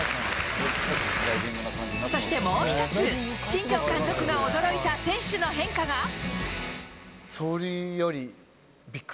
そして、もう１つ新庄監督が驚いた選手の変化が。